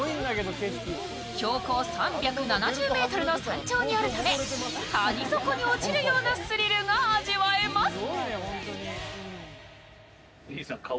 標高３７０ｍの山頂にあるため谷底に落ちるようなスリルが味わえます。